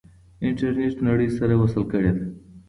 انټرنیټ نړۍ سره وصل کړې ده.